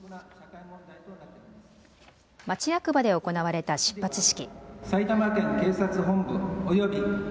町役場で行われた出発式。